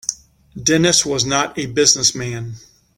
Dennis was not a business man.